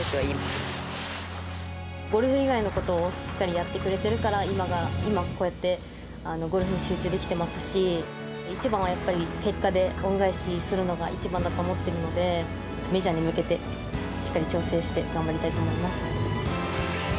ゴルフ以外のことをしっかりやってくれてるから今、こうやってゴルフに集中できてますし、一番はやっぱり、結果で恩返しするのが一番だと思ってるので、メジャーに向けて、しっかり調整して頑張りたいと思います。